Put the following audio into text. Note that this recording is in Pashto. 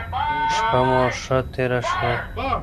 شپه مو ښه تیره شوه.